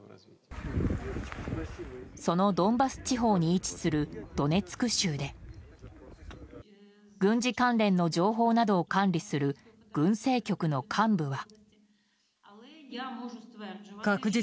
そのドンバス地方に位置するドネツク州で軍事関連の情報などを管理する軍政局の幹部は。